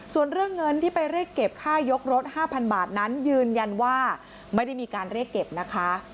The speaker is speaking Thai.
ส่วนเรื่องเงินที่ไปเรียกเก็บค่ายกรถ๕๐๐บาทนั้นยืนยันว่าไม่ได้มีการเรียกเก็บนะคะ